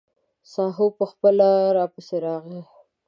ساهو به خپله راپسې راغی.